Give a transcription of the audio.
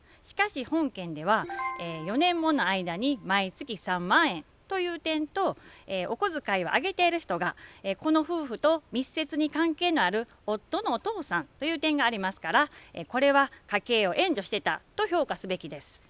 しかし本件では４年もの間に毎月３万円という点とお小遣いをあげている人がこの夫婦と密接に関係のある夫のお父さんという点がありますからこれは家計を援助してたと評価すべきです。